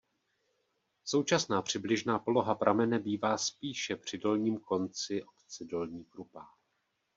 Současná přibližná poloha pramene bývá spíše při dolním konci obce Dolní Krupá.